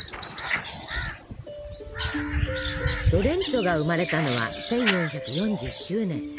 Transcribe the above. ロレンツォが生まれたのは１４４９年。